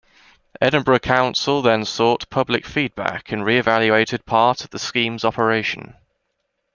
Edinburgh council then sought public feedback and re-evaluated parts of the scheme's operation.